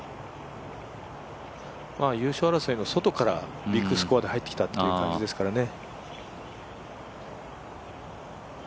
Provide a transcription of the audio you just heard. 優勝争いの外からビッグスコアで入ってきたという感じですからね。